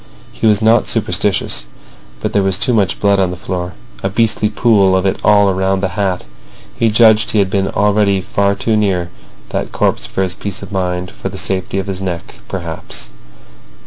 He was not superstitious, but there was too much blood on the floor; a beastly pool of it all round the hat. He judged he had been already far too near that corpse for his peace of mind—for the safety of his neck, perhaps!